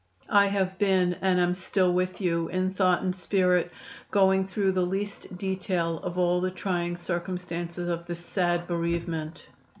I have been, and am still with you, in thought and spirit, going through the least detail of all the trying circumstances of this sad bereavement."